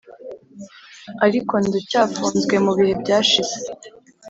ariko ndacyafunzwe mubihe byashize.